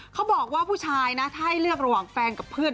เขาบอกว่าผู้ชายนะถ้าให้เลือกระหว่างแฟนกับเพื่อน